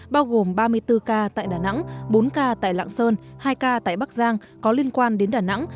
bao gồm ba mươi bốn ca tại đà nẵng bốn ca tại lạng sơn hai ca tại bắc giang có liên quan đến đà nẵng